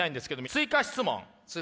追加質問？